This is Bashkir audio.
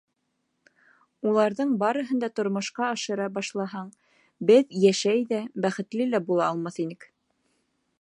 Уларҙың барыһын да тормошҡа ашыра башлаһаң, беҙ йәшәй ҙә, бәхетле лә була алмаҫ инек.